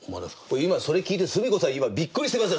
今それ聞いてすみこさんびっくりしてますよ！